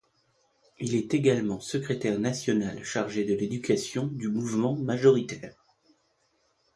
Il est également secrétaire national chargé de l'éducation du mouvement majoritaire.